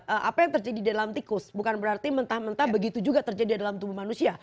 tapi tentu saja apa yang terjadi di dalam tikus bukan berarti mentah mentah begitu juga terjadi di dalam tubuh manusia